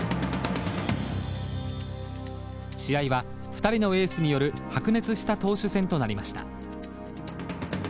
試合は２人のエースによる白熱した投手戦となりました。